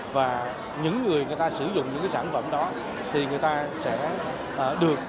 và những người người ta sử dụng những cái sản phẩm đó thì người ta sẽ được